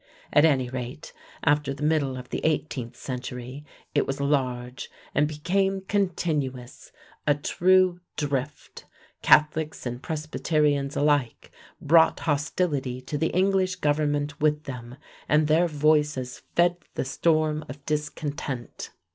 At any rate, after the middle of the eighteenth century it was large and became continuous a true drift. Catholics and Presbyterians alike brought hostility to the English government with them, and their voices fed the storm of discontent.